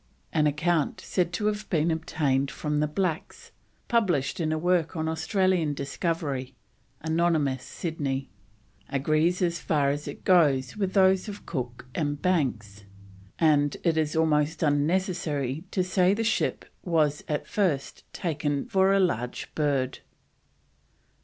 An account, said to have been obtained from the blacks, published in a work on Australian discovery (anonymous, Sydney), agrees as far as it goes with those of Cook and Banks, and it is almost unnecessary to say the ship was at first taken for a large bird.